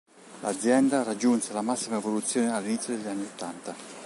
L'azienda raggiunse la massima evoluzione all'inizio degli anni ottanta.